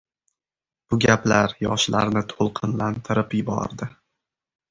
Bu gaplar yoshlarni toʻlqinlantirib yubordi.